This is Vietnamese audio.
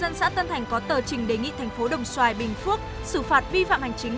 ubnd xã tân thành có tờ trình đề nghị tp đồng xoài bình phước xử phạt vi phạm hành chính